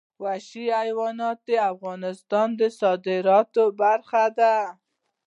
وحشي حیوانات د افغانستان د صادراتو برخه ده.